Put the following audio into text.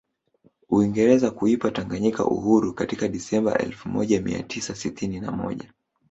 Uingereza kuipa Tanganyika uhuru kamili Disemba elfu moja Mia tisa sitini na moja